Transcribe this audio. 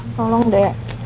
aduh noh tolong deh